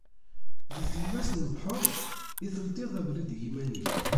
Di tlemmast n lebḥer i teldiḍ abrid i yiman-ik.